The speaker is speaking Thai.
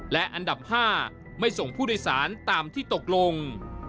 และอันดับ๕ไม่ส่งผู้โดยสารตามที่ตกลง